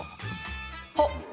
あっ！